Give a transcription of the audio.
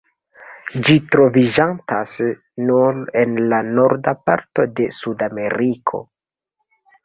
Ĝi troviĝantas nur en la norda parto de Sudameriko.